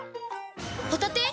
ホタテ⁉